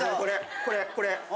これこれ。